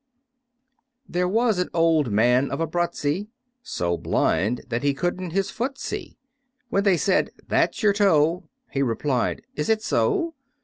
There was an Old Man of th' Abruzzi, So blind that he couldn't his foot see; When they said, "That's your toe," he replied, "Is it so?"